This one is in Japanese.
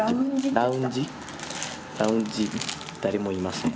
ラウンジ誰もいません。